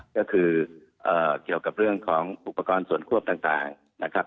ก็คือเกี่ยวกับเรื่องของอุปกรณ์ส่วนควบต่างนะครับ